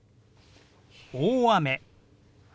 「大雨」。